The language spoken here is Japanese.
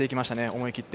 思い切って。